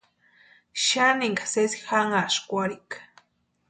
Xaninha sesi janhaskwarhika.